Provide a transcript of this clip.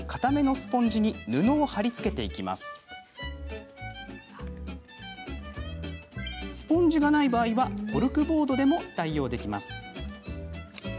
スポンジがない場合はコルクボードでも代用できますよ。